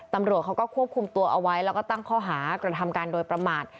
ตำรวจเขาก็ควบคุมตัวเอาไว้แล้วก็ตั้งข้อหากระทำการโดยประมาท